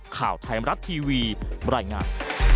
ข่าวไทยมรัฐทีวีบรรยายงาน